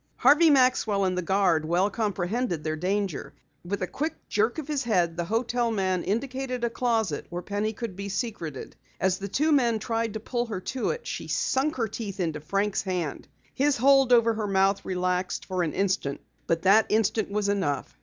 Harvey Maxwell and the guard well comprehended their danger. With a quick jerk of his head the hotel man indicated a closet where Penny could be secreted. As the two men tried to pull her to it, she sunk her teeth into Frank's hand. His hold over her mouth relaxed for an instant, but that instant was enough.